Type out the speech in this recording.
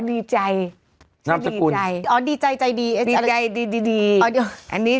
อ๋อดีใจน้ำสกุลชื่อดีใจอ๋อดีใจใจดีดีใจดีดีดีอันนี้